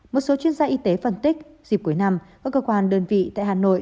một số chuyên gia y tế phân tích dịp cuối năm các cơ quan đơn vị tại hà nội